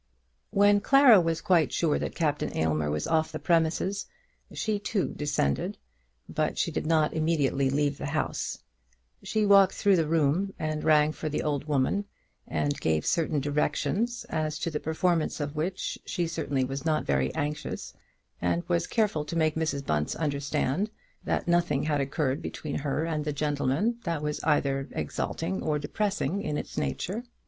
When Clara was quite sure that Captain Aylmer was off the premises, she, too, descended, but she did not immediately leave the house. She walked through the room, and rang for the old woman, and gave certain directions, as to the performance of which she certainly was not very anxious, and was careful to make Mrs. Bunce understand that nothing had occurred between her and the gentleman that was either exalting or depressing in its nature.